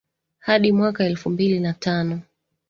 hadi mwaka elfu mbili na tano